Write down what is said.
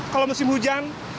kalau musim hujan